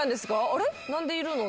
「あれ何でいるの？」